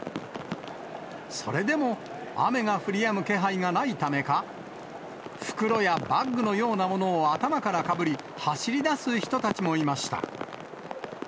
それでも雨が降りやむ気配がないためか、袋やバッグのようなものを頭からかぶり、走りだす人たちもいました。